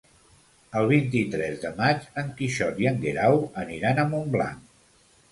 El vint-i-tres de maig en Quixot i en Guerau aniran a Montblanc.